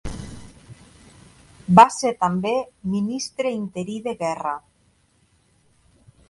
Va ser també ministre interí de Guerra.